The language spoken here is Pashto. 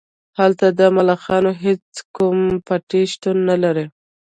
هلته د ملخانو هیڅ کوم پټی شتون نلري